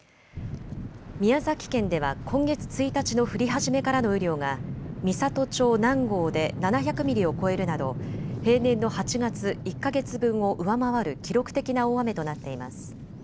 宮崎県では今月１日の降り始めからの雨量が美郷町南郷で７００ミリを超えるなど平年の８月１か月分を上回る記録的な大雨となっています。